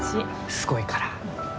すごいから。